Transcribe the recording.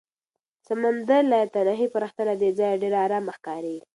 د سمندر لایتناهي پراختیا له دې ځایه ډېره ارامه ښکاري.